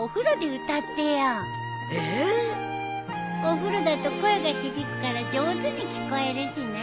お風呂だと声が響くから上手に聞こえるしね。